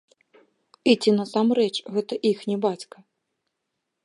І ці насамрэч гэта іхні бацька?